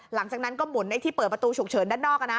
หลังจากนั้นก็หมุนไอ้ที่เปิดประตูฉุกเฉินด้านนอก